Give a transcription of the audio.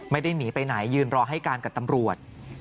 ไม่ได้หนีไปไหนยืนรอให้การกับตำรวจ